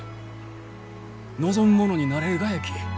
望む者になれるがやき！